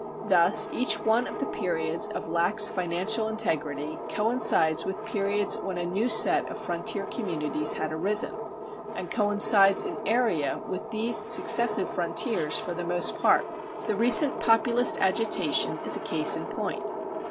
Thus each one of the periods of lax financial integrity coincides with periods when a new set of frontier communities had arisen, and coincides in area with these successive frontiers, for the most part. The recent Populist agitation is a case in point.